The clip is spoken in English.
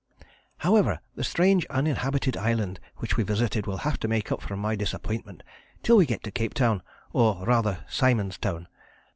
However, the strange uninhabited island which we visited will have to make up for my disappointment till we get to Capetown or rather Simon's Town.